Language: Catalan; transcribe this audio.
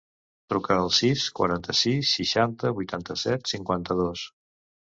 Truca al sis, quaranta-sis, seixanta, vuitanta-set, cinquanta-dos.